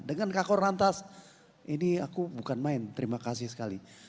dengan kak kor rantas ini aku bukan main terima kasih sekali